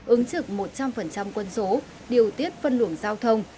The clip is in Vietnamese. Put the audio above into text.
ứng trực một trăm linh quân số điều tiết phân luồng giao thông